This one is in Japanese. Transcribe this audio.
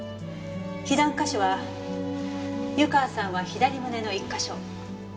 被弾箇所は湯川さんは左胸の１か所。